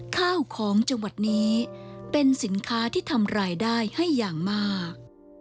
ข้าวของจังหวัดนี้เป็นสินค้าที่ทำรายได้ให้อย่างมาก